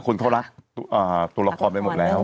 คนเขารักตัวละครไปหมดแล้ว